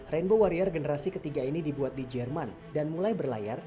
rainbow warrior generasi ketiga ini dibuat di jerman dan mulai berlayar